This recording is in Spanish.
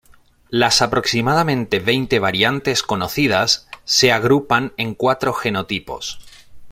Las aproximadamente veinte variantes conocidas se agrupan en cuatro genotipos.